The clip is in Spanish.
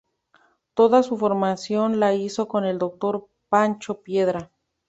Toda su formación la hizo con el Dr. Pancho Piedra.